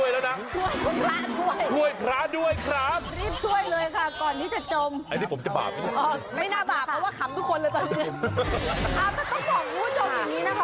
อ่ามันต้องบอกผู้จมอย่างนี้นะคะว่า